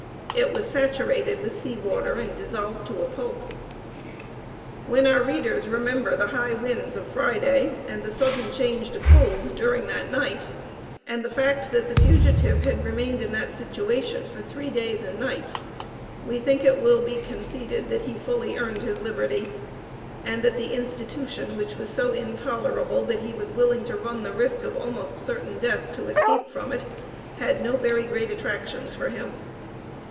It was saturated with sea water and dissolved to a pulp. When our readers remember the high winds of Friday, and the sudden change to cold during that night, and the fact that the fugitive had remained in that situation for three days and nights, we think it will be conceded that he fully earned his liberty, and that the "institution," which was so intolerable that he was willing to run the risk of almost certain death to escape from it had no very great attractions for him.